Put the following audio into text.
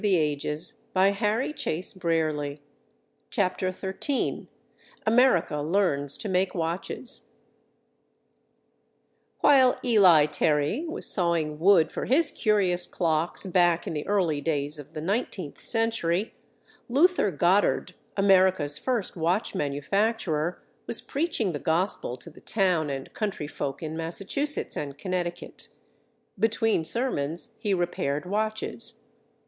In the Metropolitan Museum._] CHAPTER THIRTEEN America Learns to Make Watches While Eli Terry was sawing wood for his curious clocks back in the early days of the nineteenth century, Luther Goddard, America's first watch manufacturer, was preaching the Gospel to the town and country folk in Massachusetts and Connecticut. Between sermons he repaired watches.